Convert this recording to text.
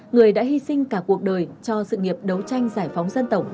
người đã hy sinh cả cuộc đời cho sự nghiệp đấu tranh giải phóng dân tộc